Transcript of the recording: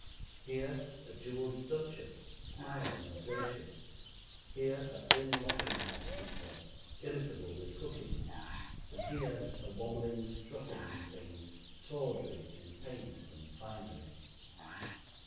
Here a jeweled duchess, smiling and gracious; here a thin lodging house keeper, irritable with cooking; and here a wabbling, strutting thing, tawdry in paint and finery.